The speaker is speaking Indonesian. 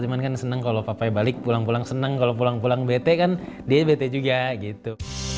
cuman kan seneng kalo papanya balik pulang pulang seneng kalo pulang pulang bete kan dia bete juga gitu